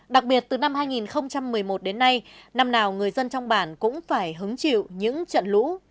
đặc biệt từ năm hai nghìn một mươi một đến nay năm nào người dân trong bản cũng phải hứng chịu những trận lũ